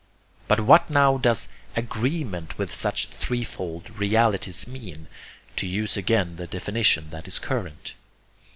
But what now does 'agreement' with such three fold realities mean? to use again the definition that is current.